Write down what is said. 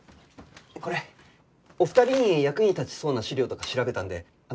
これお二人に役に立ちそうな資料とか調べたんで。